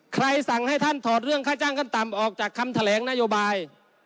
สั่งให้ท่านถอดเรื่องค่าจ้างขั้นต่ำออกจากคำแถลงนโยบาย